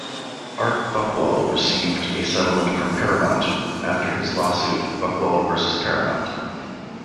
Art Buchwald received a settlement from Paramount after his lawsuit "Buchwald versus Paramount".